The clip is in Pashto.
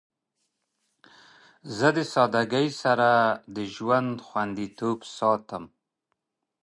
زه د سادگی سره د ژوند خوندیتوب ساتم.